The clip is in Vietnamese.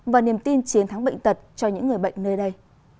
và niềm tin chiến thắng bệnh tật cho những người bệnh nơi đây